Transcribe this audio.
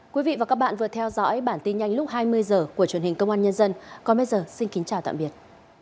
quý vị và các bạn vừa theo dõi bản tin nhanh lúc hai mươi h của truyền hình công an nhân dân còn bây giờ xin kính chào tạm biệt